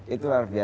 itu luar biasa